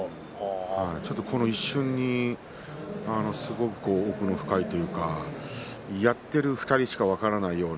この一瞬に、すごく奥の深いというかやっている２人しか分からないというか。